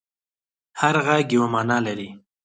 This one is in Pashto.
هر غږ یوه معنی لري.